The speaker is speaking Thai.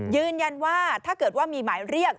ยืนยันว่าถ้าเกิดว่ามีหมายเรียก